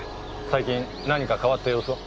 最近何か変わった様子は？